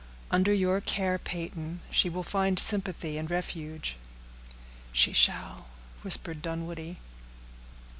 Under your care, Peyton, she will find sympathy and refuge." "She shall," whispered Dunwoodie.